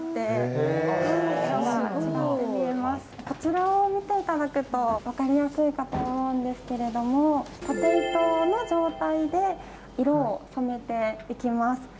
こちらを見て頂くと分かりやすいかと思うんですけれども縦糸の状態で色を染めていきます。